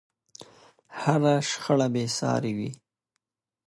هره شخړه بې سارې وي.